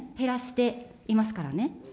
減らしていますからね。